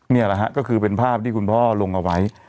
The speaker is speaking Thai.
นี่แหละฮะก็คือเป็นภาพที่คุณพ่อลงเอาไว้